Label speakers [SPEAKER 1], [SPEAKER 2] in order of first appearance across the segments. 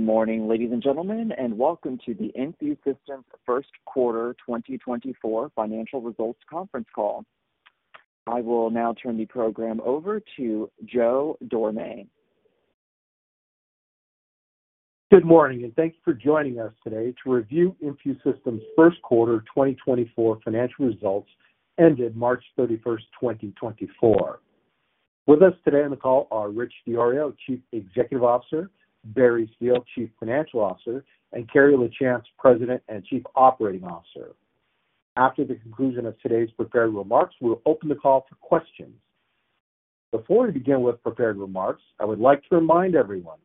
[SPEAKER 1] Good morning, ladies and gentlemen, and welcome to the InfuSystem's first quarter 2024 financial results conference call. I will now turn the program over to Joe Dorame.
[SPEAKER 2] Good morning, and thank you for joining us today to review InfuSystem's first quarter 2024 financial results, ended March 31, 2024. With us today on the call are Richard DiIorio, Chief Executive Officer, Barry Steele, Chief Financial Officer, and Carrie Lachance, President and Chief Operating Officer. After the conclusion of today's prepared remarks, we'll open the call for questions. Before we begin with prepared remarks, I would like to remind everyone,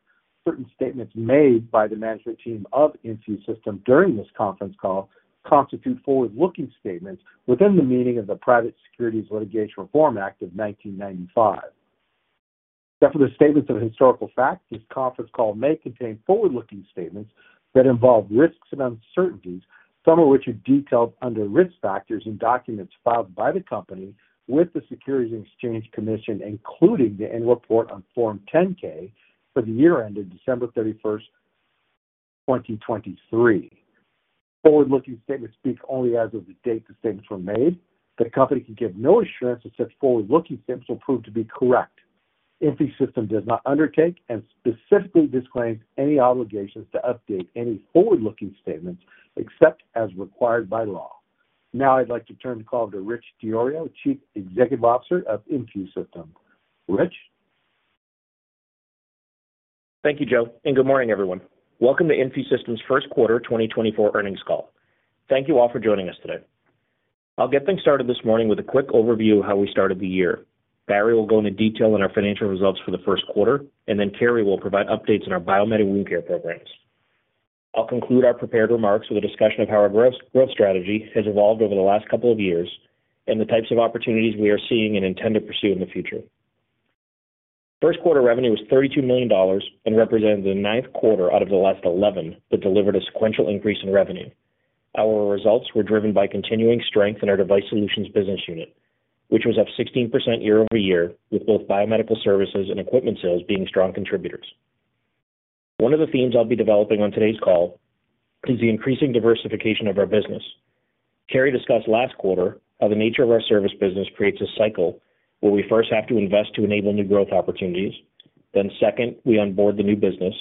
[SPEAKER 2] certain statements made by the management team of InfuSystem during this conference call constitute forward-looking statements within the meaning of the Private Securities Litigation Reform Act of 1995. Except for the statements of historical fact, this conference call may contain forward-looking statements that involve risks and uncertainties, some of which are detailed under Risk Factors in documents filed by the company with the Securities and Exchange Commission, including the annual report on Form 10-K for the year ended December 31, 2023. Forward-looking statements speak only as of the date the statements were made. The company can give no assurance that such forward-looking statements will prove to be correct. InfuSystem does not undertake and specifically disclaims any obligations to update any forward-looking statements, except as required by law. Now I'd like to turn the call to Rich DiIorio, Chief Executive Officer of InfuSystem. Rich?
[SPEAKER 3] Thank you, Joe, and good morning, everyone. Welcome to InfuSystem's first quarter 2024 earnings call. Thank you all for joining us today. I'll get things started this morning with a quick overview of how we started the year. Barry will go into detail on our financial results for the first quarter, and then Carrie will provide updates on our biomedical wound care programs. I'll conclude our prepared remarks with a discussion of how our growth, growth strategy has evolved over the last couple of years and the types of opportunities we are seeing and intend to pursue in the future. First quarter revenue was $32 million and represented the 9th quarter out of the last 11 that delivered a sequential increase in revenue. Our results were driven by continuing strength in our Device Solutions business unit, which was up 16% year-over-year, with both Biomedical Services and equipment sales being strong contributors. One of the themes I'll be developing on today's call is the increasing diversification of our business. Carrie discussed last quarter how the nature of our service business creates a cycle where we first have to invest to enable new growth opportunities. Then second, we onboard the new business,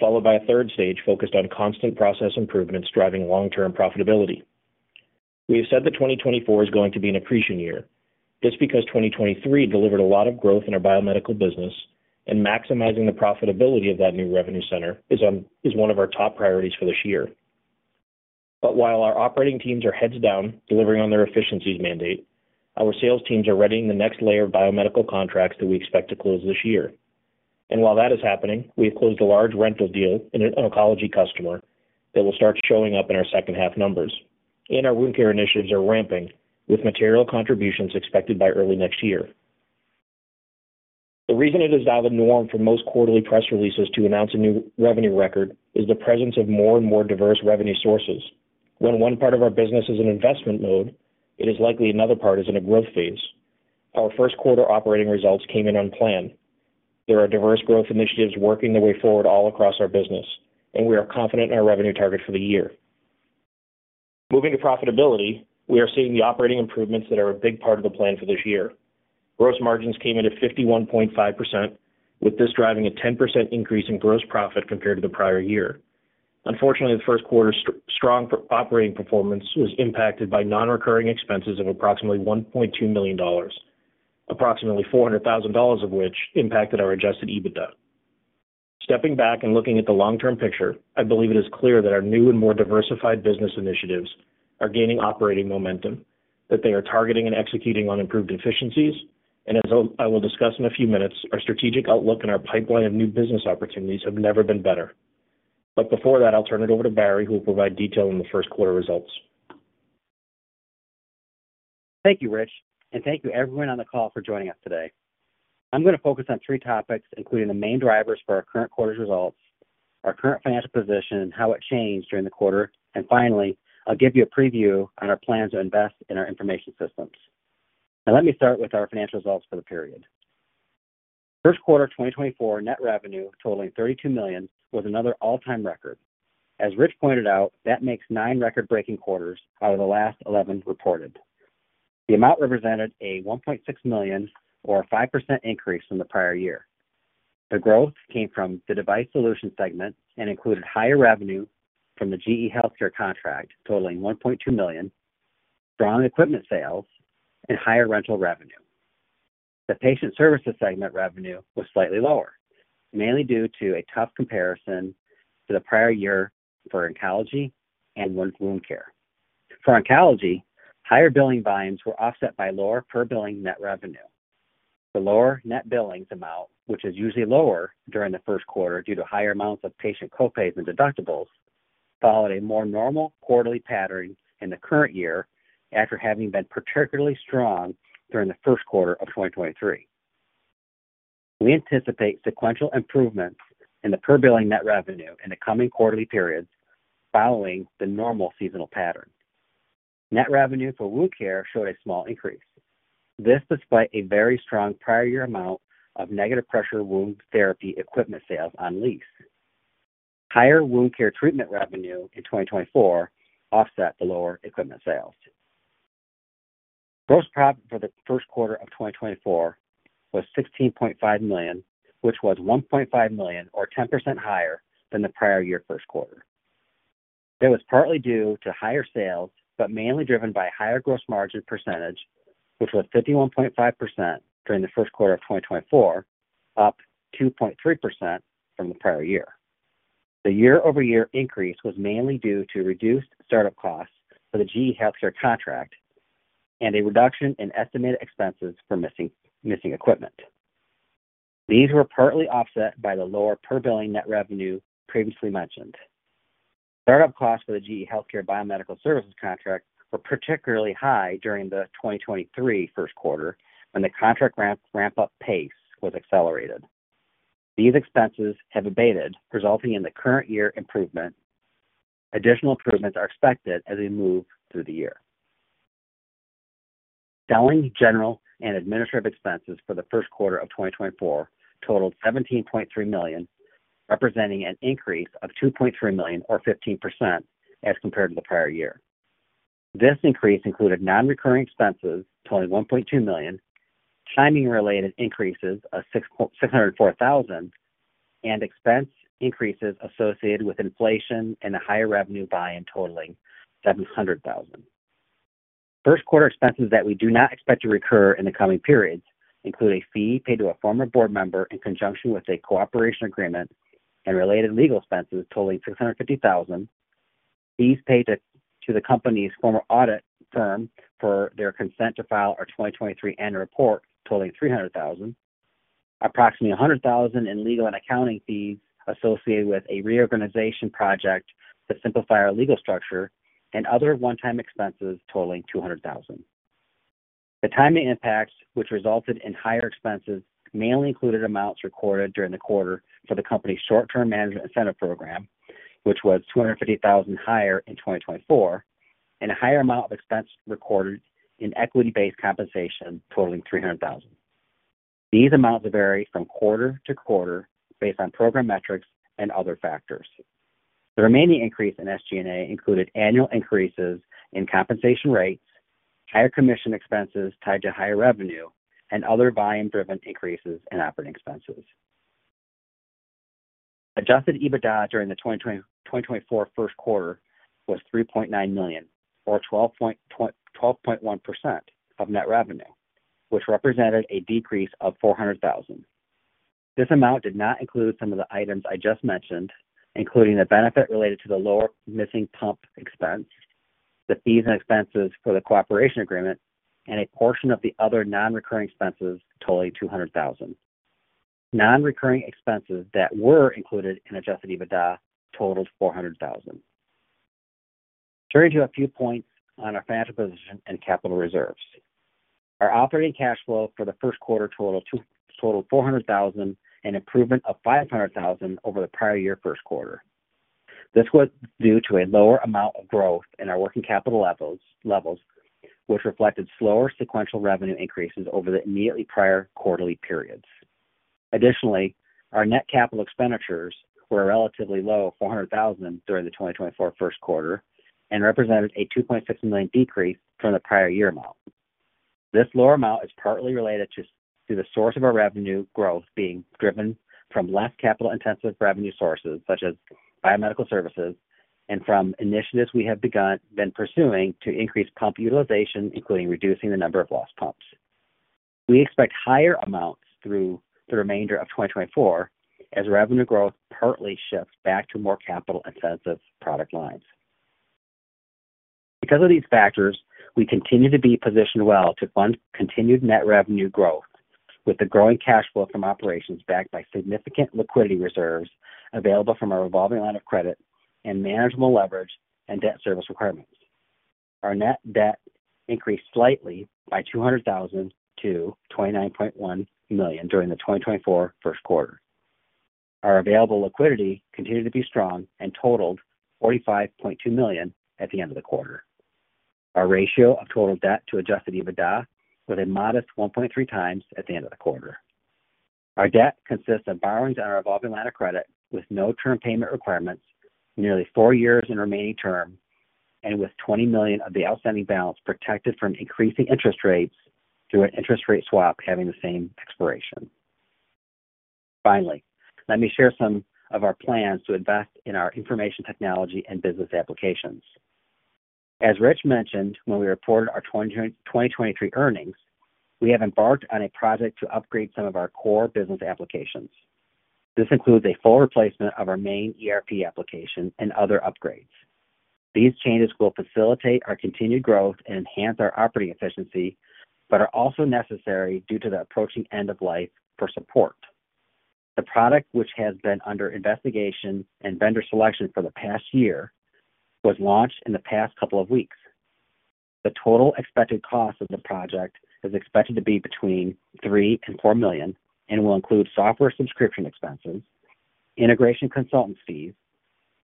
[SPEAKER 3] followed by a third stage focused on constant process improvements, driving long-term profitability. We have said that 2024 is going to be an accretion year. This because 2023 delivered a lot of growth in our biomedical business, and maximizing the profitability of that new revenue center is one of our top priorities for this year. But while our operating teams are heads down, delivering on their efficiencies mandate, our sales teams are readying the next layer of biomedical contracts that we expect to close this year. And while that is happening, we have closed a large rental deal in an oncology customer that will start showing up in our second-half numbers. And our wound care initiatives are ramping, with material contributions expected by early next year. The reason it is now the norm for most quarterly press releases to announce a new revenue record is the presence of more and more diverse revenue sources. When one part of our business is in investment mode, it is likely another part is in a growth phase. Our first quarter operating results came in on plan. There are diverse growth initiatives working their way forward all across our business, and we are confident in our revenue target for the year. Moving to profitability, we are seeing the operating improvements that are a big part of the plan for this year. Gross margins came in at 51.5%, with this driving a 10% increase in gross profit compared to the prior year. Unfortunately, the first quarter strong operating performance was impacted by non-recurring expenses of approximately $1.2 million, approximately $400,000 of which impacted our Adjusted EBITDA. Stepping back and looking at the long-term picture, I believe it is clear that our new and more diversified business initiatives are gaining operating momentum, that they are targeting and executing on improved efficiencies. As I will discuss in a few minutes, our strategic outlook and our pipeline of new business opportunities have never been better. But before that, I'll turn it over to Barry, who will provide detail on the first quarter results.
[SPEAKER 4] Thank you, Rich, and thank you everyone on the call for joining us today. I'm going to focus on three topics, including the main drivers for our current quarter's results, our current financial position and how it changed during the quarter. Finally, I'll give you a preview on our plan to invest in our information systems. Now, let me start with our financial results for the period. First quarter 2024 net revenue, totaling $32 million, was another all-time record. As Rich pointed out, that makes nine record-breaking quarters out of the last 11 reported. The amount represented a $1.6 million or 5% increase from the prior year. The growth came from the Device Solutions segment and included higher revenue from the GE HealthCare contract, totaling $1.2 million, strong equipment sales, and higher rental revenue. The Patient Services segment revenue was slightly lower, mainly due to a tough comparison to the prior year for oncology and wound care. For oncology, higher billing volumes were offset by lower per-billing net revenue. The lower net billings amount, which is usually lower during the first quarter due to higher amounts of patient co-pays and deductibles, followed a more normal quarterly pattern in the current year after having been particularly strong during the first quarter of 2023. We anticipate sequential improvements in the per-billing net revenue in the coming quarterly periods following the normal seasonal pattern.... Net revenue for wound care showed a small increase. This despite a very strong prior year amount of Negative Pressure Wound Therapy equipment sales on lease. Higher wound care treatment revenue in 2024 offset the lower equipment sales. Gross profit for the first quarter of 2024 was $16.5 million, which was $1.5 million, or 10% higher than the prior year first quarter. It was partly due to higher sales, but mainly driven by higher gross margin percentage, which was 51.5% during the first quarter of 2024, up 2.3% from the prior year. The year-over-year increase was mainly due to reduced startup costs for the GE HealthCare contract and a reduction in estimated expenses for missing equipment. These were partly offset by the lower per billing net revenue previously mentioned. Startup costs for the GE HealthCare Biomedical Services contract were particularly high during the 2023 first quarter, when the contract ramp-up pace was accelerated. These expenses have abated, resulting in the current year improvement. Additional improvements are expected as we move through the year. Selling, general, and administrative expenses for the first quarter of 2024 totaled $17.3 million, representing an increase of $2.3 million, or 15%, as compared to the prior year. This increase included non-recurring expenses, $21.2 million, timing-related increases of $604,000, and expense increases associated with inflation and a higher revenue buy-in totaling $700,000. First quarter expenses that we do not expect to recur in the coming periods include a fee paid to a former board member in conjunction with a cooperation agreement and related legal expenses totaling $650,000. Fees paid to the company's former audit firm for their consent to file our 2023 annual report, totaling $300,000. Approximately $100,000 in legal and accounting fees associated with a reorganization project to simplify our legal structure and other one-time expenses totaling $200,000. The timing impacts, which resulted in higher expenses, mainly included amounts recorded during the quarter for the company's short-term management incentive program, which was $250,000 higher in 2024, and a higher amount of expense recorded in equity-based compensation, totaling $300,000. These amounts vary from quarter to quarter based on program metrics and other factors. The remaining increase in SG&A included annual increases in compensation rates, higher commission expenses tied to higher revenue, and other volume-driven increases in operating expenses. Adjusted EBITDA during the 2024 first quarter was $3.9 million, or 12.1% of net revenue, which represented a decrease of $400,000. This amount did not include some of the items I just mentioned, including the benefit related to the lower missing pump expense, the fees and expenses for the cooperation agreement, and a portion of the other non-recurring expenses totaling $200,000. Non-recurring expenses that were included in Adjusted EBITDA totaled $400,000. Turning to a few points on our financial position and capital reserves. Our operating cash flow for the first quarter totaled $400,000, an improvement of $500,000 over the prior year first quarter. This was due to a lower amount of growth in our working capital levels, which reflected slower sequential revenue increases over the immediately prior quarterly periods. Additionally, our net capital expenditures were relatively low, $400,000, during the 2024 first quarter and represented a $2.6 million decrease from the prior year amount. This lower amount is partly related to the source of our revenue growth being driven from less capital-intensive revenue sources, such as biomedical services, and from initiatives we have been pursuing to increase pump utilization, including reducing the number of lost pumps. We expect higher amounts through the remainder of 2024 as revenue growth partly shifts back to more capital-intensive product lines. Because of these factors, we continue to be positioned well to fund continued net revenue growth with the growing cash flow from operations, backed by significant liquidity reserves available from our revolving line of credit and manageable leverage and debt service requirements. Our net debt increased slightly by $200,000 to $29.1 million during the 2024 first quarter. Our available liquidity continued to be strong and totaled $45.2 million at the end of the quarter. Our ratio of total debt to Adjusted EBITDA was a modest 1.3 times at the end of the quarter. Our debt consists of borrowings on our revolving line of credit with no term payment requirements, nearly 4 years in remaining term, and with $20 million of the outstanding balance protected from increasing interest rates through an interest rate swap having the same expiration. Finally, let me share some of our plans to invest in our information technology and business applications. As Rich mentioned, when we reported our 2020, 2023 earnings, we have embarked on a project to upgrade some of our core business applications. This includes a full replacement of our main ERP application and other upgrades. These changes will facilitate our continued growth and enhance our operating efficiency, but are also necessary due to the approaching end of life for support. The product, which has been under investigation and vendor selection for the past year, was launched in the past couple of weeks. The total expected cost of the project is expected to be between $3 million and $4 million and will include software subscription expenses-... integration consultant fees,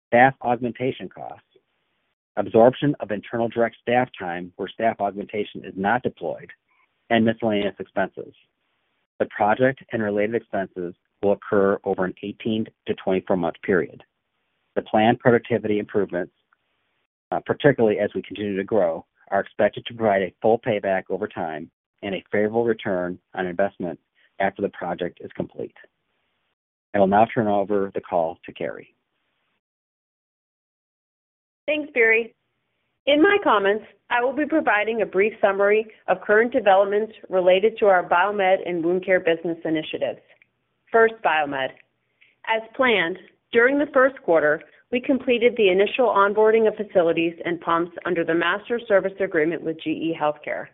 [SPEAKER 4] staff augmentation costs, absorption of internal direct staff time where staff augmentation is not deployed, and miscellaneous expenses. The project and related expenses will occur over an 18- to 24-month period. The planned productivity improvements, particularly as we continue to grow, are expected to provide a full payback over time and a favorable return on investment after the project is complete. I will now turn over the call to Carrie.
[SPEAKER 5] Thanks, Barry. In my comments, I will be providing a brief summary of current developments related to our biomed and wound care business initiatives. First, biomed. As planned, during the first quarter, we completed the initial onboarding of facilities and pumps under the master service agreement with GE HealthCare.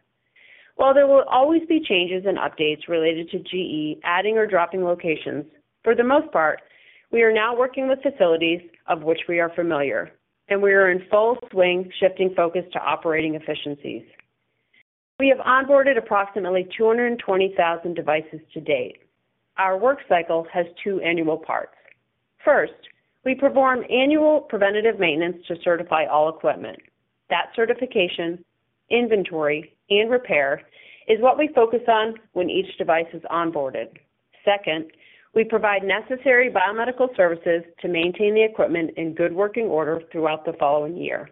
[SPEAKER 5] While there will always be changes and updates related to GE adding or dropping locations, for the most part, we are now working with facilities of which we are familiar, and we are in full swing, shifting focus to operating efficiencies. We have onboarded approximately 220,000 devices to date. Our work cycle has two annual parts. First, we perform annual preventative maintenance to certify all equipment. That certification, inventory, and repair is what we focus on when each device is onboarded. Second, we provide necessary biomedical services to maintain the equipment in good working order throughout the following year.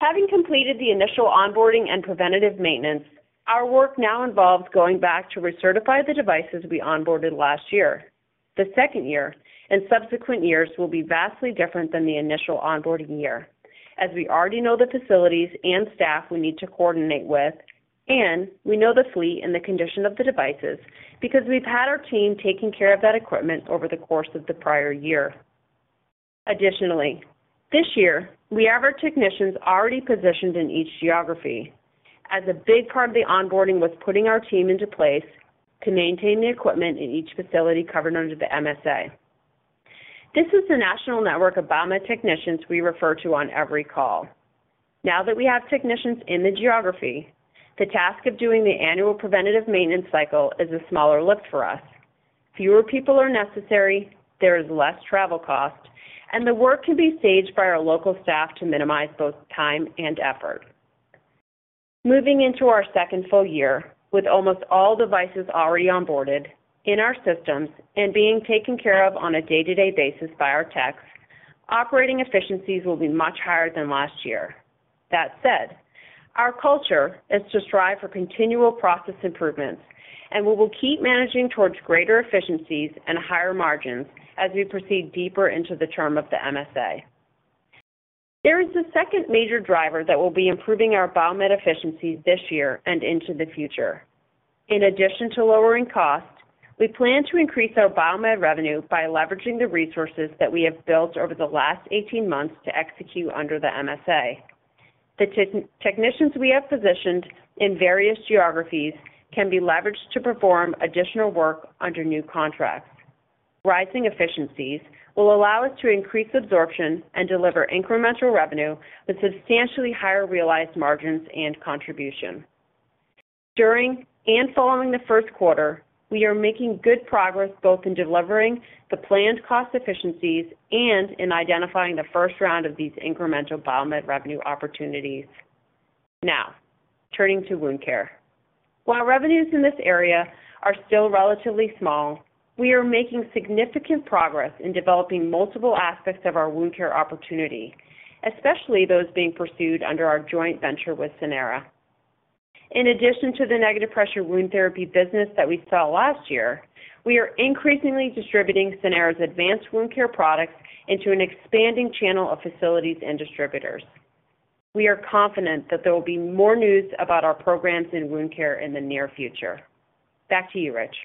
[SPEAKER 5] Having completed the initial onboarding and preventative maintenance, our work now involves going back to recertify the devices we onboarded last year. The second year and subsequent years will be vastly different than the initial onboarding year, as we already know the facilities and staff we need to coordinate with, and we know the fleet and the condition of the devices, because we've had our team taking care of that equipment over the course of the prior year. Additionally, this year, we have our technicians already positioned in each geography, as a big part of the onboarding was putting our team into place to maintain the equipment in each facility covered under the MSA. This is the national network of biomed technicians we refer to on every call. Now that we have technicians in the geography, the task of doing the annual preventative maintenance cycle is a smaller lift for us. Fewer people are necessary, there is less travel cost, and the work can be staged by our local staff to minimize both time and effort. Moving into our second full year, with almost all devices already onboarded in our systems and being taken care of on a day-to-day basis by our techs, operating efficiencies will be much higher than last year. That said, our culture is to strive for continual process improvements, and we will keep managing towards greater efficiencies and higher margins as we proceed deeper into the term of the MSA. There is a second major driver that will be improving our biomed efficiencies this year and into the future. In addition to lowering costs, we plan to increase our biomed revenue by leveraging the resources that we have built over the last 18 months to execute under the MSA. The technicians we have positioned in various geographies can be leveraged to perform additional work under new contracts. Rising efficiencies will allow us to increase absorption and deliver incremental revenue with substantially higher realized margins and contribution. During and following the first quarter, we are making good progress, both in delivering the planned cost efficiencies and in identifying the first round of these incremental biomed revenue opportunities. Now, turning to wound care. While revenues in this area are still relatively small, we are making significant progress in developing multiple aspects of our wound care opportunity, especially those being pursued under our joint venture with Sanara. In addition to the Negative Pressure Wound Therapy business that we saw last year, we are increasingly distributing Sanara's advanced wound care products into an expanding channel of facilities and distributors. We are confident that there will be more news about our programs in wound care in the near future. Back to you, Rich.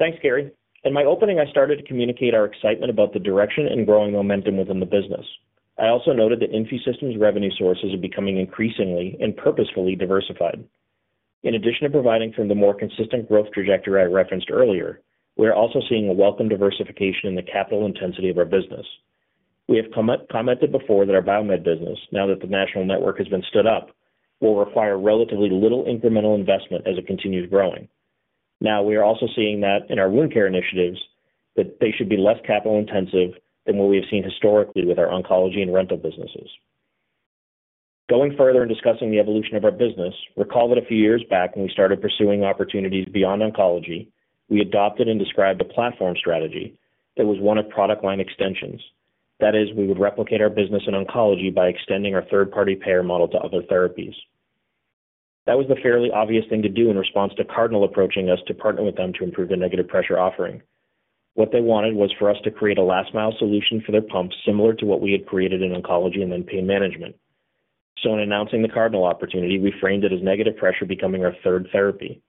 [SPEAKER 3] Thanks, Carrie. In my opening, I started to communicate our excitement about the direction and growing momentum within the business. I also noted that InfuSystem's revenue sources are becoming increasingly and purposefully diversified. In addition to providing from the more consistent growth trajectory I referenced earlier, we are also seeing a welcome diversification in the capital intensity of our business. We have commented before that our biomed business, now that the national network has been stood up, will require relatively little incremental investment as it continues growing. Now, we are also seeing that in our wound care initiatives, that they should be less capital intensive than what we have seen historically with our oncology and rental businesses. Going further in discussing the evolution of our business, recall that a few years back, when we started pursuing opportunities beyond oncology, we adopted and described a platform strategy that was one of product line extensions. That is, we would replicate our business in oncology by extending our third-party payer model to other therapies. That was the fairly obvious thing to do in response to Cardinal approaching us to partner with them to improve their Negative Pressure offering. What they wanted was for us to create a last-mile solution for their pumps, similar to what we had created in oncology and then pain management. So in announcing the Cardinal opportunity, we framed it as Negative Pressure becoming our third therapy.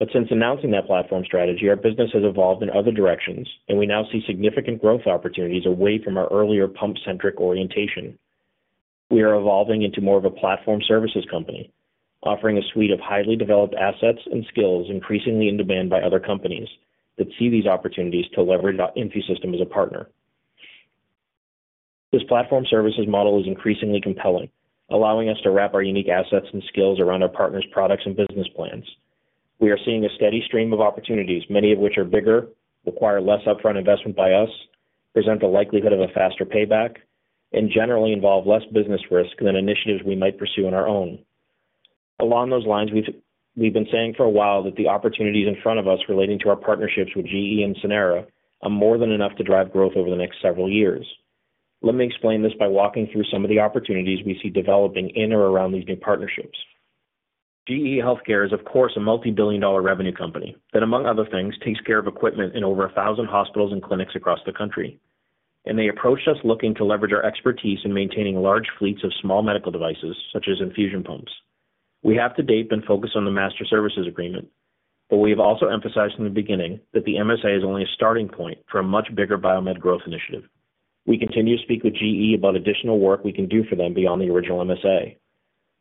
[SPEAKER 3] But since announcing that platform strategy, our business has evolved in other directions, and we now see significant growth opportunities away from our earlier pump-centric orientation. We are evolving into more of a platform services company, offering a suite of highly developed assets and skills increasingly in demand by other companies that see these opportunities to leverage InfuSystem as a partner. This platform services model is increasingly compelling, allowing us to wrap our unique assets and skills around our partners, products, and business plans. We are seeing a steady stream of opportunities, many of which are bigger, require less upfront investment by us, present the likelihood of a faster payback, and generally involve less business risk than initiatives we might pursue on our own. Along those lines, we've been saying for a while that the opportunities in front of us relating to our partnerships with GE and Sanara are more than enough to drive growth over the next several years. Let me explain this by walking through some of the opportunities we see developing in or around these new partnerships. GE HealthCare is, of course, a multi-billion dollar revenue company that, among other things, takes care of equipment in over 1,000 hospitals and clinics across the country. They approached us looking to leverage our expertise in maintaining large fleets of small medical devices, such as infusion pumps. We have, to date, been focused on the Master Services Agreement, but we have also emphasized from the beginning that the MSA is only a starting point for a much bigger biomed growth initiative. We continue to speak with GE about additional work we can do for them beyond the original MSA.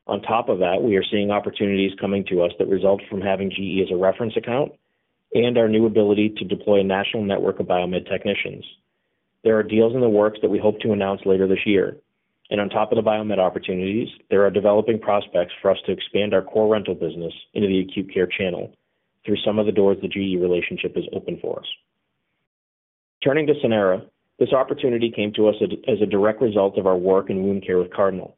[SPEAKER 3] On top of that, we are seeing opportunities coming to us that result from having GE as a reference account and our new ability to deploy a national network of biomed technicians. There are deals in the works that we hope to announce later this year, and on top of the biomed opportunities, there are developing prospects for us to expand our core rental business into the acute care channel through some of the doors the GE relationship has opened for us. Turning to Sanara, this opportunity came to us as a direct result of our work in wound care with Cardinal.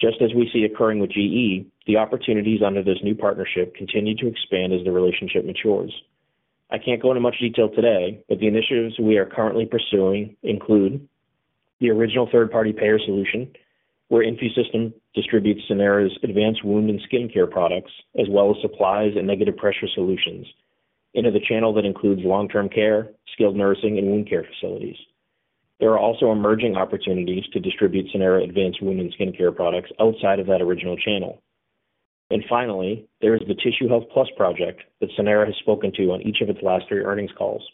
[SPEAKER 3] Just as we see occurring with GE, the opportunities under this new partnership continue to expand as the relationship matures. I can't go into much detail today, but the initiatives we are currently pursuing include the original third-party payer solution, where InfuSystem distributes Sanara's advanced wound and skin care products, as well as supplies and negative pressure solutions into the channel that includes long-term care, skilled nursing, and wound care facilities. There are also emerging opportunities to distribute Sanara advanced wound and skin care products outside of that original channel. Finally, there is the Tissue Health Plus project that Sanara has spoken to on each of its last three earnings calls.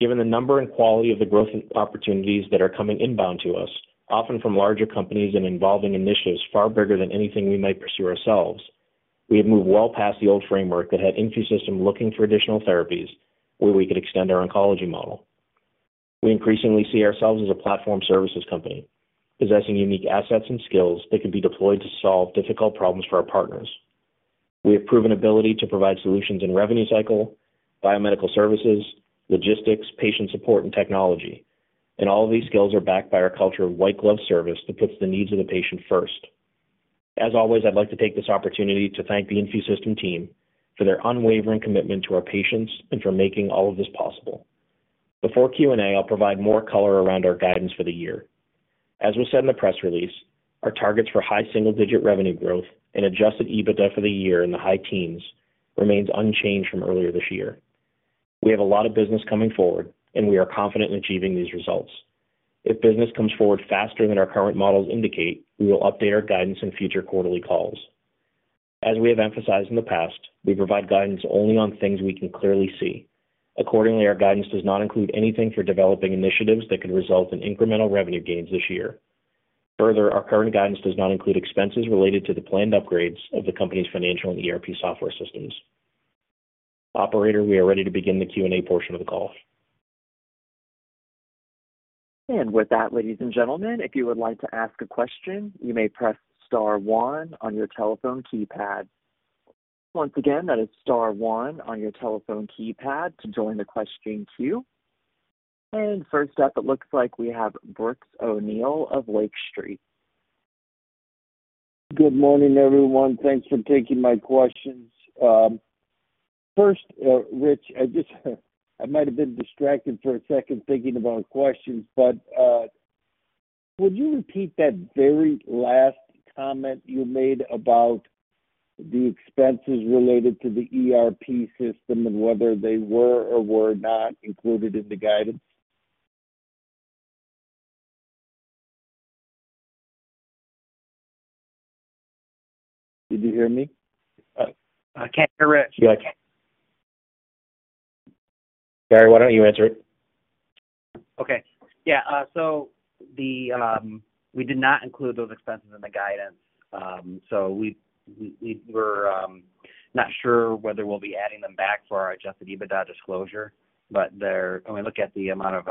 [SPEAKER 3] Given the number and quality of the growth opportunities that are coming inbound to us, often from larger companies and involving initiatives far bigger than anything we might pursue ourselves, we have moved well past the old framework that had InfuSystem looking for additional therapies where we could extend our oncology model. We increasingly see ourselves as a platform services company, possessing unique assets and skills that can be deployed to solve difficult problems for our partners. We have proven ability to provide solutions in revenue cycle, biomedical services, logistics, patient support, and technology, and all of these skills are backed by our culture of white glove service that puts the needs of the patient first. As always, I'd like to take this opportunity to thank the InfuSystem team for their unwavering commitment to our patients and for making all of this possible. Before Q&A, I'll provide more color around our guidance for the year. As we said in the press release, our targets for high single-digit revenue growth and Adjusted EBITDA for the year in the high teens remains unchanged from earlier this year. We have a lot of business coming forward, and we are confident in achieving these results. If business comes forward faster than our current models indicate, we will update our guidance in future quarterly calls. As we have emphasized in the past, we provide guidance only on things we can clearly see. Accordingly, our guidance does not include anything for developing initiatives that could result in incremental revenue gains this year. Further, our current guidance does not include expenses related to the planned upgrades of the company's financial and ERP software systems. Operator, we are ready to begin the Q&A portion of the call.
[SPEAKER 1] With that, ladies and gentlemen, if you would like to ask a question, you may press star one on your telephone keypad. Once again, that is star one on your telephone keypad to join the question queue. First up, it looks like we have Brooks O'Neill of Lake Street.
[SPEAKER 6] Good morning, everyone. Thanks for taking my questions. First, Rich, I just, I might have been distracted for a second thinking about questions, but, would you repeat that very last comment you made about the expenses related to the ERP system and whether they were or were not included in the guidance? Did you hear me?
[SPEAKER 3] I can't hear Rich.
[SPEAKER 1] Yes.
[SPEAKER 3] Gary, why don't you answer it?
[SPEAKER 4] Okay. Yeah, so we did not include those expenses in the guidance. So we're not sure whether we'll be adding them back for our Adjusted EBITDA disclosure, but they're, when we look at the amount of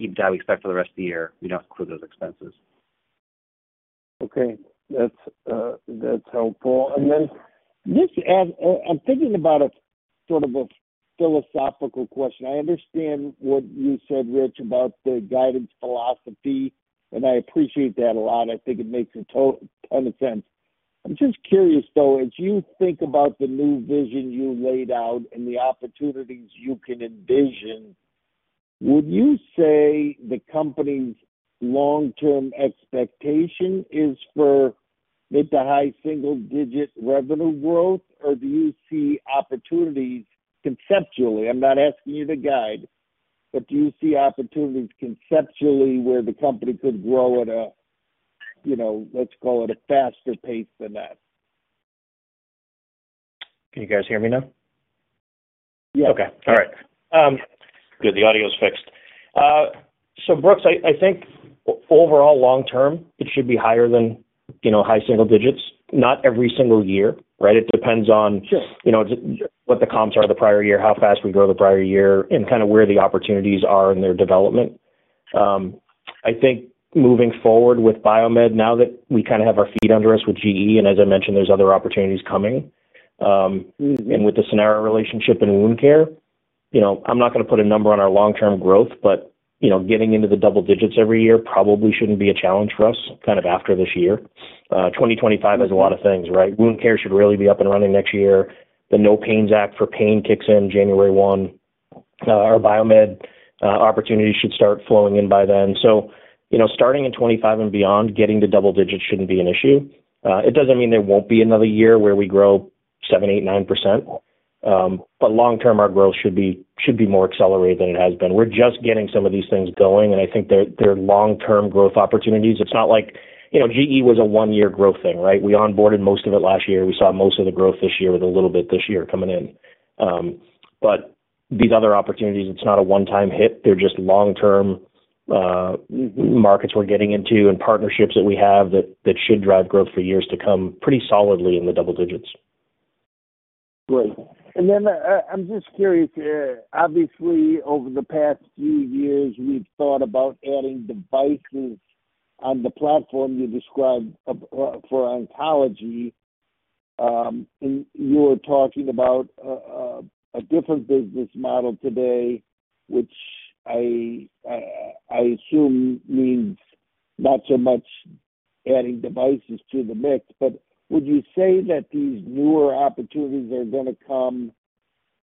[SPEAKER 4] EBITDA we expect for the rest of the year, we don't include those expenses.
[SPEAKER 6] Okay. That's helpful. And then just, I'm thinking about a sort of a philosophical question. I understand what you said, Rich, about the guidance philosophy, and I appreciate that a lot. I think it makes a ton of sense. I'm just curious, though, as you think about the new vision you laid out and the opportunities you can envision, would you say the company's long-term expectation is for mid- to high single-digit revenue growth? Or do you see opportunities conceptually, I'm not asking you to guide, but do you see opportunities conceptually where the company could grow at a, you know, let's call it, a faster pace than that?
[SPEAKER 3] Can you guys hear me now?
[SPEAKER 6] Yes.
[SPEAKER 3] Okay. All right. Good, the audio is fixed. So Brooks, I, I think overall, long term, it should be higher than... you know, high single digits, not every single year, right? It depends on-
[SPEAKER 6] Sure.
[SPEAKER 3] You know, just what the comps are the prior year, how fast we grow the prior year, and kind of where the opportunities are in their development. I think moving forward with biomed, now that we kind of have our feet under us with GE, and as I mentioned, there's other opportunities coming. And with the Sanara relationship in wound care, you know, I'm not going to put a number on our long-term growth, but, you know, getting into the double digits every year probably shouldn't be a challenge for us, kind of after this year. 2025 has a lot of things, right? Wound care should really be up and running next year. The NOPAIN Act for pain kicks in January 1. Our biomed opportunity should start flowing in by then. So, you know, starting in 2025 and beyond, getting to double digits shouldn't be an issue. It doesn't mean there won't be another year where we grow 7, 8, 9%, but long term, our growth should be, should be more accelerated than it has been. We're just getting some of these things going, and I think they're, they're long-term growth opportunities. It's not like, you know, GE was a one-year growth thing, right? We onboarded most of it last year. We saw most of the growth this year with a little bit this year coming in. But these other opportunities, it's not a one-time hit. They're just long-term, markets we're getting into and partnerships that we have that, that should drive growth for years to come, pretty solidly in the double digits.
[SPEAKER 6] Great. And then, I'm just curious here. Obviously, over the past few years, we've thought about adding devices on the platform you described, for oncology. And you were talking about, a different business model today, which I, I assume means not so much adding devices to the mix, but would you say that these newer opportunities are gonna come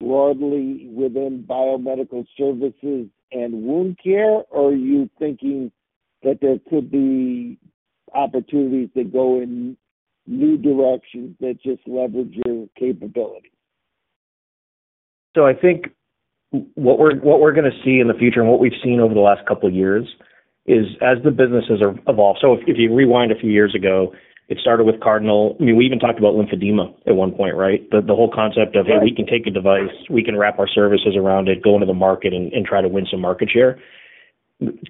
[SPEAKER 6] broadly within biomedical services and wound care? Or are you thinking that there could be opportunities that go in new directions that just leverage your capabilities?
[SPEAKER 3] So I think what we're gonna see in the future and what we've seen over the last couple of years is as the businesses are evolved. So if you rewind a few years ago, it started with Cardinal. I mean, we even talked about lymphedema at one point, right? The whole concept of-
[SPEAKER 6] Right.
[SPEAKER 3] Hey, we can take a device, we can wrap our services around it, go into the market and try to win some market share.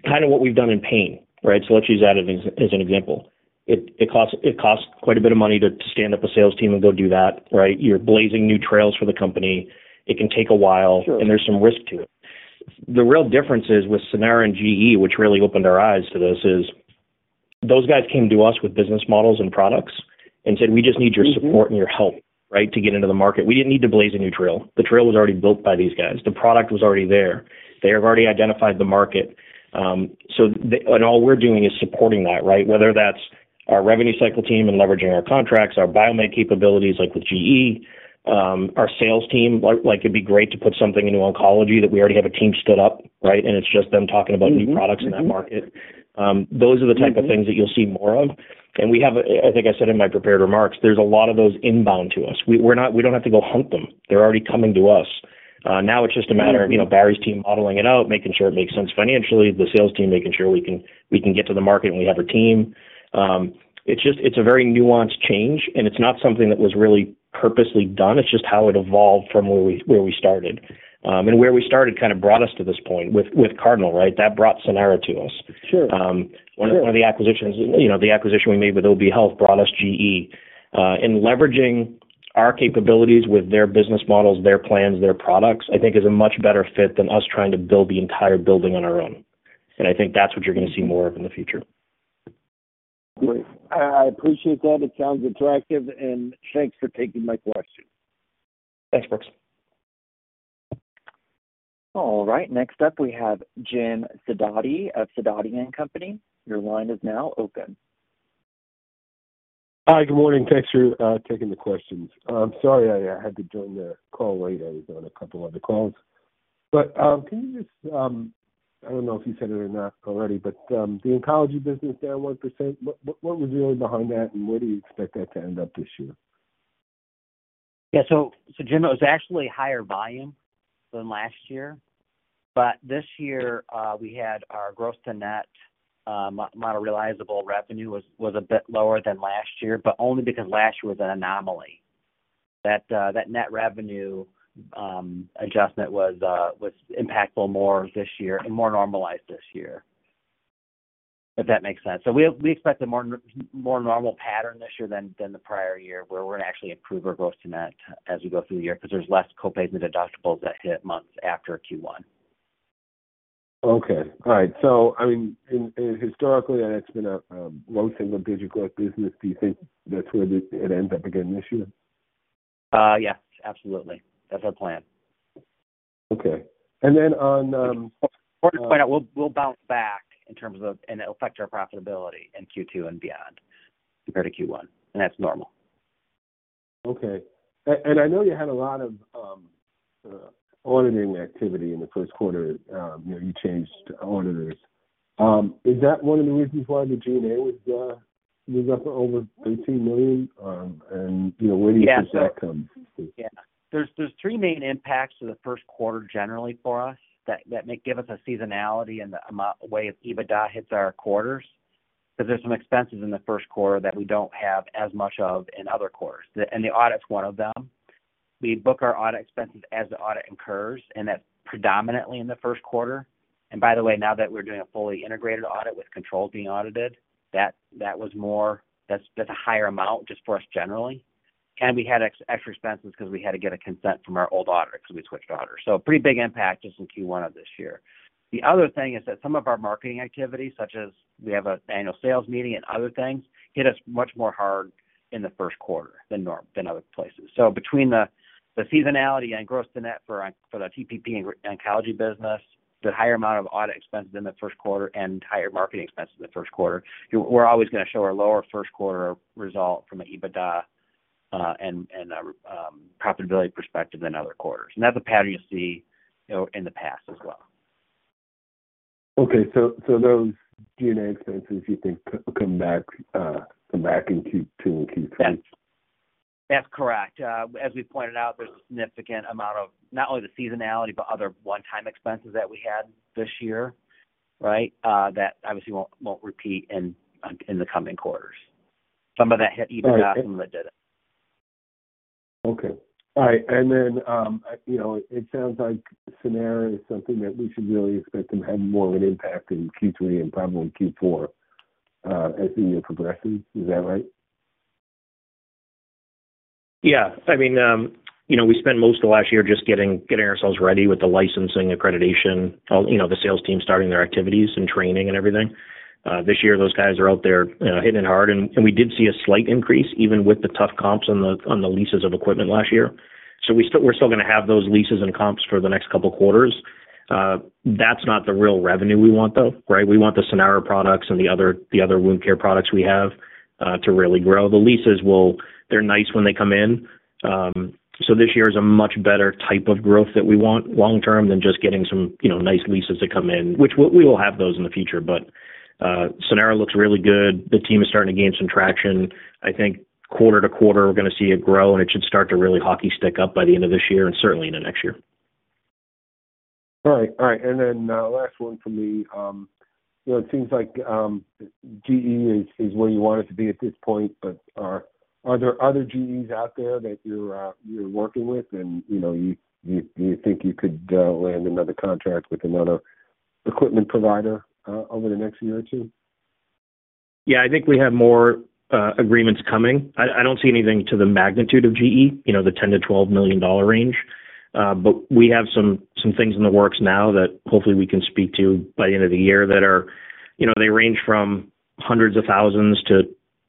[SPEAKER 3] Kind of what we've done in pain, right? So let's use that as an example. It costs quite a bit of money to stand up a sales team and go do that, right? You're blazing new trails for the company. It can take a while-
[SPEAKER 6] Sure.
[SPEAKER 3] -and there's some risk to it. The real difference is with Sanara and GE, which really opened our eyes to this, is those guys came to us with business models and products and said, "We just need your support-
[SPEAKER 6] Mm-hmm.
[SPEAKER 3] -and your help, right, to get into the market." We didn't need to blaze a new trail. The trail was already built by these guys. The product was already there. They have already identified the market. So all we're doing is supporting that, right? Whether that's our revenue cycle team and leveraging our contracts, our biomed capabilities, like with GE, our sales team. Like, like, it'd be great to put something into oncology that we already have a team stood up, right? And it's just them talking about-
[SPEAKER 6] Mm-hmm
[SPEAKER 3] new products in that market.
[SPEAKER 6] Mm-hmm.
[SPEAKER 3] Those are the type of things that you'll see more of. And we have, I think I said in my prepared remarks, there's a lot of those inbound to us. We don't have to go hunt them. They're already coming to us. Now it's just a matter of-
[SPEAKER 6] Mm-hmm
[SPEAKER 3] You know, Barry's team modeling it out, making sure it makes sense financially, the sales team, making sure we can get to the market and we have a team. It's just a very nuanced change, and it's not something that was really purposely done. It's just how it evolved from where we started. And where we started kind of brought us to this point with Cardinal, right? That brought Sanara to us.
[SPEAKER 6] Sure. Sure.
[SPEAKER 3] One of the acquisitions, you know, the acquisition we made with OBI Healthcare brought us GE. And leveraging our capabilities with their business models, their plans, their products, I think is a much better fit than us trying to build the entire building on our own. And I think that's what you're gonna see more of in the future.
[SPEAKER 6] Great. I appreciate that. It sounds attractive, and thanks for taking my question.
[SPEAKER 3] Thanks, Brooks.
[SPEAKER 1] All right, next up, we have Jim Sidoti of Sidoti & Company. Your line is now open.
[SPEAKER 7] Hi, good morning. Thanks for taking the questions. I'm sorry I had to join the call late. I was on a couple other calls. But, can you just, I don't know if you said it or not already, but, the oncology business down 1%, what was really behind that, and where do you expect that to end up this year?
[SPEAKER 3] Yeah, so Jim, it was actually higher volume than last year, but this year, we had our gross to net model realizable revenue was a bit lower than last year, but only because last year was an anomaly. That net revenue adjustment was impactful more this year and more normalized this year, if that makes sense. So we expect a more normal pattern this year than the prior year, where we're gonna actually improve our gross to net as we go through the year because there's less co-payment deductibles that hit months after Q1.
[SPEAKER 7] Okay. All right. So I mean, historically, that's been a low single-digit growth business. Do you think that's where it ends up again this year?
[SPEAKER 3] Yes, absolutely. That's our plan.
[SPEAKER 7] Okay. And then on,
[SPEAKER 3] Important to point out, we'll bounce back in terms of, and it'll affect our profitability in Q2 and beyond compared to Q1, and that's normal.
[SPEAKER 7] Okay. I know you had a lot of auditing activity in the first quarter. You know, you changed auditors. Is that one of the reasons why the G&A was up for over $18 million? And, you know, where do you think that comes from?
[SPEAKER 3] Yeah. There's three main impacts to the first quarter generally for us, that may give us a seasonality in the way EBITDA hits our quarters, because there's some expenses in the first quarter that we don't have as much of in other quarters. And the audit's one of them. ...
[SPEAKER 4] we book our audit expenses as the audit incurs, and that's predominantly in the first quarter. And by the way, now that we're doing a fully integrated audit with controls being audited, that was more. That's a higher amount just for us generally. We had extra expenses because we had to get a consent from our old auditor because we switched auditors. So a pretty big impact just in Q1 of this year. The other thing is that some of our marketing activities, such as we have an annual sales meeting and other things, hit us much more hard in the first quarter than other places. So between the seasonality and gross to net for the TPP and oncology business, the higher amount of audit expenses in the first quarter and higher marketing expenses in the first quarter, we're always going to show a lower first quarter result from an EBITDA and profitability perspective than other quarters. That's a pattern you see, you know, in the past as well.
[SPEAKER 7] Okay, so, so those G&A expenses, you think will come back, come back in Q2 and Q3?
[SPEAKER 4] That's correct. As we pointed out, there's a significant amount of not only the seasonality, but other one-time expenses that we had this year, right? That obviously won't repeat in the coming quarters. Some of that hit EBITDA, some that didn't.
[SPEAKER 7] Okay. All right, and then, you know, it sounds like Sanara is something that we should really expect to have more of an impact in Q3 and probably Q4, as the year progresses. Is that right?
[SPEAKER 3] Yeah. I mean, you know, we spent most of last year just getting ourselves ready with the licensing accreditation, you know, the sales team starting their activities and training and everything. This year, those guys are out there, hitting it hard, and we did see a slight increase, even with the tough comps on the leases of equipment last year. So we're still going to have those leases and comps for the next couple of quarters. That's not the real revenue we want, though, right? We want the Sanara products and the other wound care products we have, to really grow. The leases will. They're nice when they come in. So this year is a much better type of growth that we want long term than just getting some, you know, nice leases to come in, which we will have those in the future. But, Sanara looks really good. The team is starting to gain some traction. I think quarter to quarter, we're going to see it grow, and it should start to really hockey stick up by the end of this year and certainly into next year.
[SPEAKER 7] All right. All right, and then, last one for me. You know, it seems like, GE is where you want it to be at this point, but are there other GEs out there that you're working with and, you know, you think you could land another contract with another equipment provider, over the next year or two?
[SPEAKER 3] Yeah, I think we have more agreements coming. I, I don't see anything to the magnitude of GE, you know, the $10-$12 million range. But we have some, some things in the works now that hopefully we can speak to by the end of the year that are, you know, they range from hundreds of thousands to,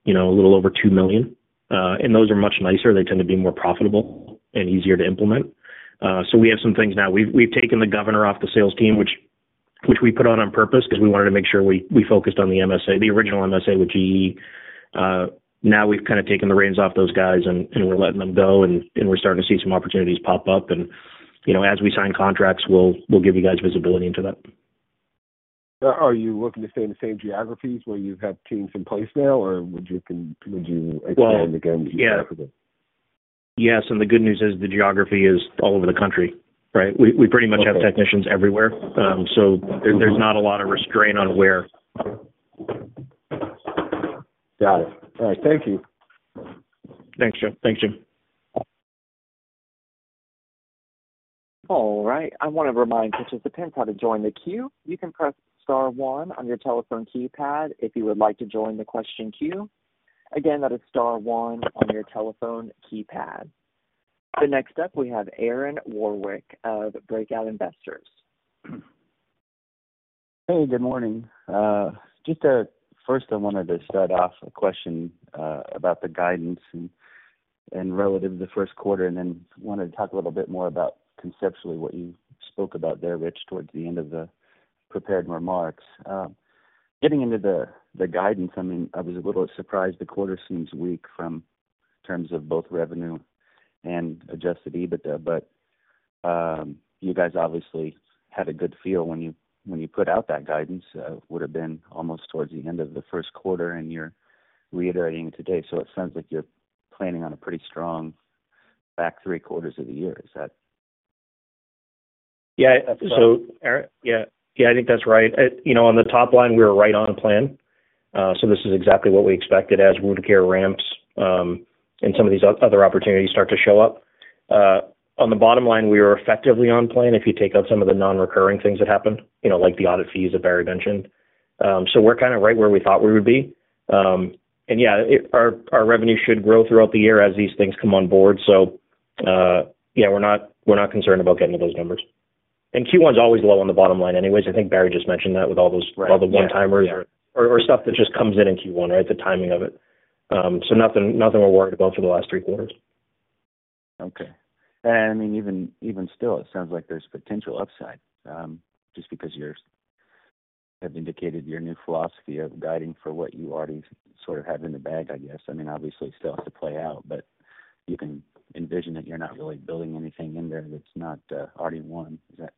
[SPEAKER 3] you know, a little over $2 million. And those are much nicer. They tend to be more profitable and easier to implement. So we have some things now. We've, we've taken the governor off the sales team, which, which we put on on purpose because we wanted to make sure we, we focused on the MSA, the original MSA with GE. Now we've kind of taken the reins off those guys, and we're letting them go, and we're starting to see some opportunities pop up. You know, as we sign contracts, we'll give you guys visibility into that.
[SPEAKER 7] Are you looking to stay in the same geographies where you have teams in place now, or would you?
[SPEAKER 3] Well-
[SPEAKER 7] Expand again geographically?
[SPEAKER 3] Yes, and the good news is the geography is all over the country, right?
[SPEAKER 7] Okay.
[SPEAKER 3] We pretty much have technicians everywhere. So there's not a lot of restraint on where.
[SPEAKER 7] Got it. All right. Thank you.
[SPEAKER 3] Thanks, Jim. Thanks, Jim.
[SPEAKER 1] All right. I want to remind participants how to join the queue. You can press star one on your telephone keypad if you would like to join the question queue. Again, that is star one on your telephone keypad. Next up, we have Aaron Warwick of Breakout Investors.
[SPEAKER 8] Hey, good morning. Just first, I wanted to start off a question about the guidance and relative to the first quarter, and then wanted to talk a little bit more about conceptually what you spoke about there, Rich, towards the end of the prepared remarks. Getting into the guidance, I mean, I was a little surprised. The quarter seems weak in terms of both revenue and Adjusted EBITDA, but you guys obviously had a good feel when you put out that guidance, would have been almost towards the end of the first quarter, and you're reiterating today. So it sounds like you're planning on a pretty strong back three quarters of the year. Is that-
[SPEAKER 3] Yeah. So, Aaron? Yeah. Yeah, I think that's right. You know, on the top line, we're right on plan. So this is exactly what we expected as wound care ramps, and some of these other opportunities start to show up. On the bottom line, we are effectively on plan, if you take out some of the non-recurring things that happened, you know, like the audit fees that Barry mentioned. So we're kind of right where we thought we would be. And yeah, our revenue should grow throughout the year as these things come on board. So, yeah, we're not, we're not concerned about getting to those numbers. And Q1 is always low on the bottom line anyways. I think Barry just mentioned that with all those-
[SPEAKER 8] Right, yeah.
[SPEAKER 3] all the one-timers or stuff that just comes in in Q1, right? The timing of it. So nothing we're worried about for the last three quarters.
[SPEAKER 8] Okay. I mean, even, even still, it sounds like there's potential upside, just because you have indicated your new philosophy of guiding for what you already sort of have in the bag, I guess. I mean, obviously, it still has to play out, but you can envision that you're not really building anything in there that's not already won. Is that?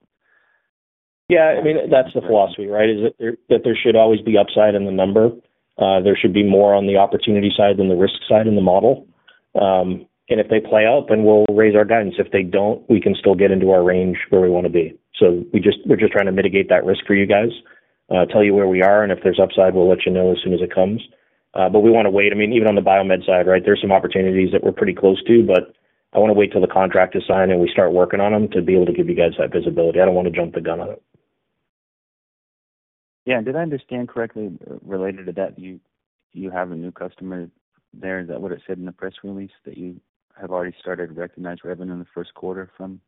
[SPEAKER 3] Yeah, I mean, that's the philosophy, right? That there should always be upside in the number. There should be more on the opportunity side than the risk side in the model. And if they play out, then we'll raise our guidance. If they don't, we can still get into our range where we want to be. So we're just trying to mitigate that risk for you guys, tell you where we are, and if there's upside, we'll let you know as soon as it comes. But we want to wait. I mean, even on the biomed side, right, there's some opportunities that we're pretty close to, but I want to wait till the contract is signed, and we start working on them to be able to give you guys that visibility. I don't want to jump the gun on it.
[SPEAKER 8] Yeah. Did I understand correctly, related to that, you, you have a new customer there? Is that what it said in the press release, that you have already started to recognize revenue in the first quarter from?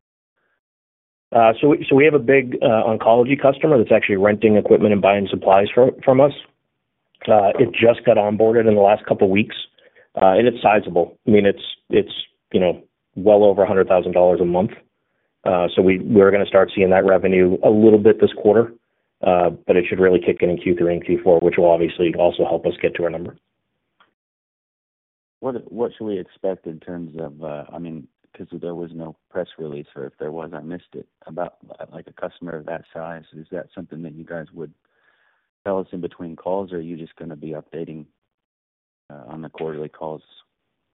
[SPEAKER 3] So, we have a big oncology customer that's actually renting equipment and buying supplies from us. It just got onboarded in the last couple of weeks. And it's sizable. I mean, it's, you know, well over $100,000 a month. So we're going to start seeing that revenue a little bit this quarter. But it should really kick in in Q3 and Q4, which will obviously also help us get to our number.
[SPEAKER 8] What, what should we expect in terms of... I mean, because there was no press release, or if there was, I missed it, about, like, a customer of that size. Is that something that you guys would tell us in between calls, or are you just going to be updating, on the quarterly calls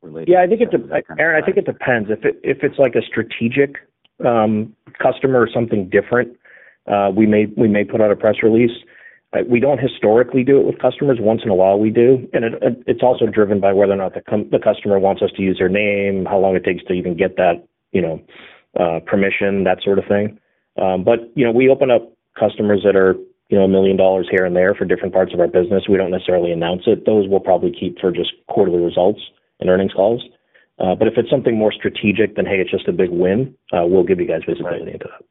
[SPEAKER 8] related to-
[SPEAKER 3] Yeah, I think it, Aaron, I think it depends. If it's like a strategic customer or something different, we may put out a press release. We don't historically do it with customers. Once in a while, we do. It's also driven by whether or not the customer wants us to use their name, how long it takes to even get that, you know, permission, that sort of thing. But, you know, we open up customers that are, you know, $1 million here and there for different parts of our business. We don't necessarily announce it. Those we'll probably keep for just quarterly results and earnings calls. But if it's something more strategic than, hey, it's just a big win, we'll give you guys visibility into that.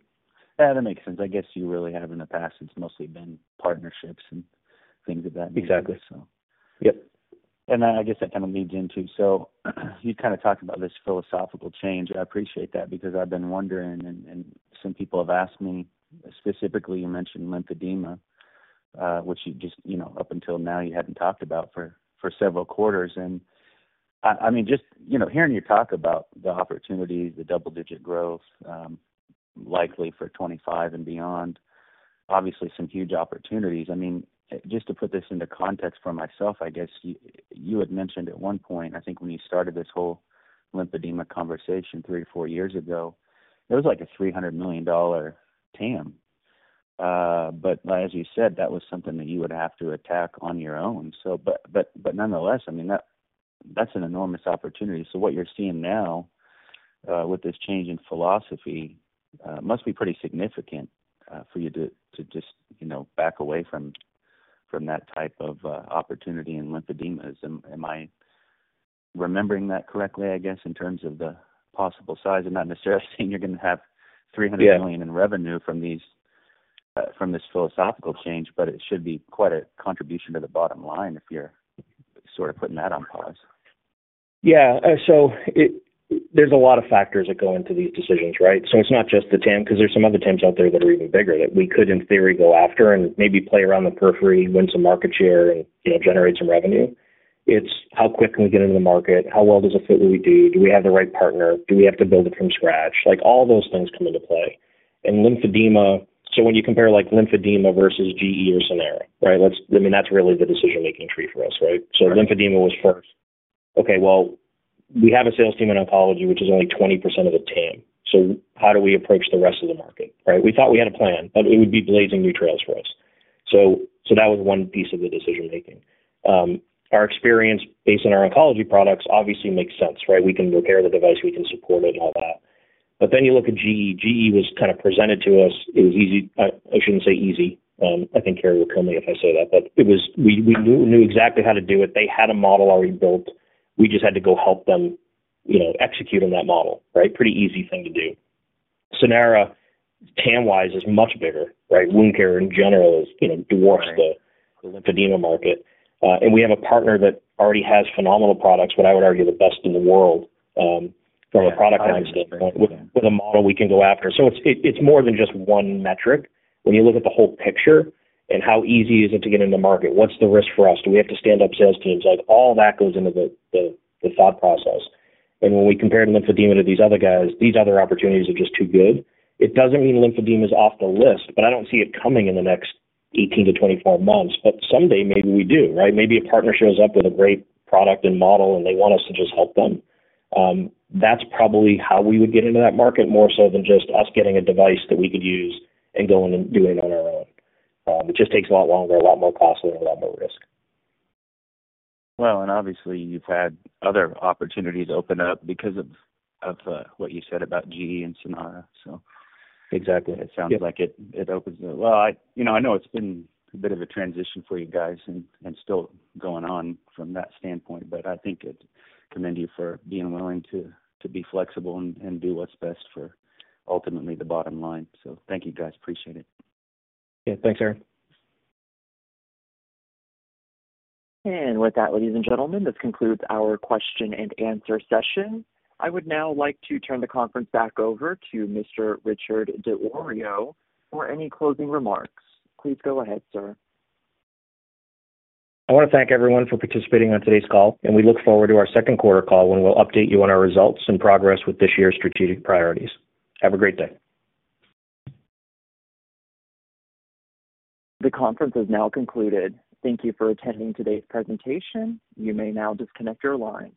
[SPEAKER 8] Yeah, that makes sense. I guess you really have in the past, it's mostly been partnerships and things of that nature.
[SPEAKER 3] Exactly.
[SPEAKER 8] So.
[SPEAKER 3] Yep.
[SPEAKER 8] And then I guess that kind of leads into... So you kind of talked about this philosophical change. I appreciate that because I've been wondering, and some people have asked me, specifically, you mentioned lymphedema, which you just, you know, up until now, you hadn't talked about for several quarters. And I mean, just, you know, hearing you talk about the opportunities, the double-digit growth, likely for 2025 and beyond, obviously some huge opportunities. I mean, just to put this into context for myself, I guess, you had mentioned at one point, I think when you started this whole lymphedema conversation 3 or 4 years ago, it was like a $300 million TAM. But as you said, that was something that you would have to attack on your own. So but nonetheless, I mean, that's an enormous opportunity. So what you're seeing now, with this change in philosophy, must be pretty significant, for you to just, you know, back away from that type of opportunity in lymphedemas. Am I remembering that correctly, I guess, in terms of the possible size? I'm not necessarily saying you're going to have $300 million-
[SPEAKER 3] Yeah
[SPEAKER 8] in revenue from these, from this philosophical change, but it should be quite a contribution to the bottom line if you're sort of putting that on pause.
[SPEAKER 3] Yeah. So there's a lot of factors that go into these decisions, right? So it's not just the TAM, because there's some other TAMs out there that are even bigger, that we could, in theory, go after and maybe play around the periphery, win some market share and, you know, generate some revenue. It's how quick can we get into the market? How well does it fit what we do? Do we have the right partner? Do we have to build it from scratch? Like, all those things come into play. And lymphedema, so when you compare, like, lymphedema versus GE or Sanara, right? Let's... I mean, that's really the decision-making tree for us, right?
[SPEAKER 8] Right.
[SPEAKER 3] So lymphedema was first. Okay, well, we have a sales team in oncology, which is only 20% of the TAM, so how do we approach the rest of the market, right? We thought we had a plan, but it would be blazing new trails for us. So, so that was one piece of the decision making. Our experience based on our oncology products obviously makes sense, right? We can repair the device, we can support it and all that. But then you look at GE. GE was kind of presented to us. It was easy, I shouldn't say easy. I think Barry will kill me if I say that, but it was. We, we knew, knew exactly how to do it. They had a model already built. We just had to go help them, you know, execute on that model, right? Pretty easy thing to do. Sanara, TAM wise, is much bigger, right?
[SPEAKER 8] Right.
[SPEAKER 3] Wound care, in general, is, you know, dwarfs the-
[SPEAKER 8] Right
[SPEAKER 3] -the lymphedema market. And we have a partner that already has phenomenal products, what I would argue, are the best in the world, from a product standpoint-
[SPEAKER 8] Yeah.
[SPEAKER 3] with a model we can go after. So it's more than just one metric. When you look at the whole picture and how easy is it to get into market, what's the risk for us? Do we have to stand up sales teams? Like, all that goes into the thought process. And when we compare lymphedema to these other guys, these other opportunities are just too good. It doesn't mean lymphedema is off the list, but I don't see it coming in the next 18-24 months. But someday, maybe we do, right? Maybe a partner shows up with a great product and model, and they want us to just help them. That's probably how we would get into that market, more so than just us getting a device that we could use and going and doing it on our own. It just takes a lot longer, a lot more costly and a lot more risk.
[SPEAKER 8] Well, and obviously, you've had other opportunities open up because of what you said about GE and Sanara, so.
[SPEAKER 3] Exactly.
[SPEAKER 8] It sounds like it-
[SPEAKER 3] Yeah
[SPEAKER 8] Well, you know, I know it's been a bit of a transition for you guys and still going on from that standpoint, but I think I'd commend you for being willing to be flexible and do what's best for ultimately the bottom line. So thank you, guys. Appreciate it.
[SPEAKER 3] Yeah. Thanks, Aaron.
[SPEAKER 1] With that, ladies and gentlemen, this concludes our question and answer session. I would now like to turn the conference back over to Mr. Richard DiIorio for any closing remarks. Please go ahead, sir.
[SPEAKER 3] I want to thank everyone for participating on today's call, and we look forward to our second quarter call, when we'll update you on our results and progress with this year's strategic priorities. Have a great day.
[SPEAKER 1] The conference has now concluded. Thank you for attending today's presentation. You may now disconnect your line.